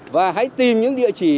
và hãy tìm những địa chỉ